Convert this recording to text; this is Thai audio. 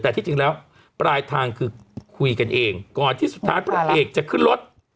แต่ที่จริงแล้วปลายทางคือคุยกันเองก่อนที่สุดท้ายพระเอกจะขึ้นรถ